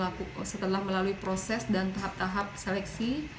saya lulus setelah melalui proses dan tahap tahap seleksi